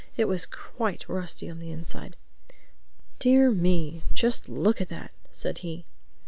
It was quite rusty on the inside. "Dear me, just look at that!" said he.